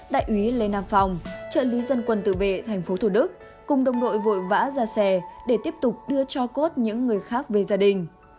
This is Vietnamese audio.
đại úy lê nam phòng trợ lý dân quân tự vệ tp thủ đức cùng đồng đội vội vã ra xe để tiếp tục đưa cho cốt những người khác về gia đình